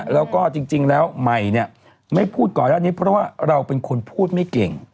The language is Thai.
แล้วก็จริงแล้วใหม่เนี่ยไม่พูดก่อนหน้านี้เพราะว่าเราเป็นคนพูดไม่เก่ง